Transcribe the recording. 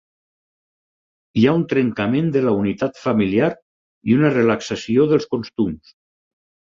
Hi ha un trencament de la unitat familiar i una relaxació dels costums.